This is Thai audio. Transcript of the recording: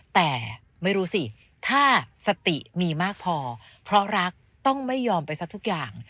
แต่ไม่รู้สิถ้าสติมีมากพอเพราะรักต้องไม่ยอมไปสักทุกอย่าง